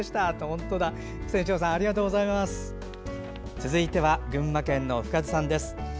続いて群馬県の深津さん。